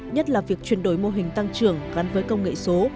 nhất là việc chuyển đổi mô hình tăng trưởng gắn với công nghệ số